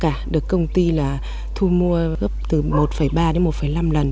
giá cả được công ty thu mua gấp từ một ba đến một năm lần